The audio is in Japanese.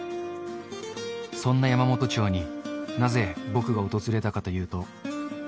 そんな山元町に、なぜ、僕が訪れたかというと。